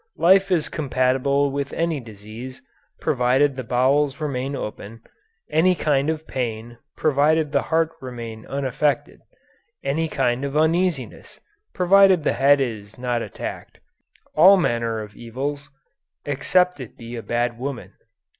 "Life is compatible with any disease, provided the bowels remain open; any kind of pain, provided the heart remain unaffected; any kind of uneasiness, provided the head is not attacked; all manner of evils, except it be a bad woman."